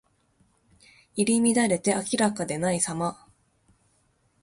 入り乱れて明らかでないさま。